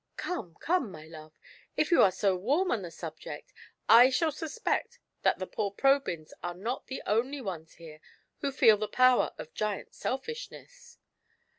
'*Come, come, my love, if you are so warm on the subject, I shall suspect that the poor Probyns are not the only ones here who feel the power of Giant Selfishness."